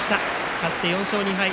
勝って４勝２敗。